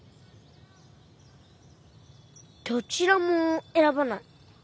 どちらも選ばない。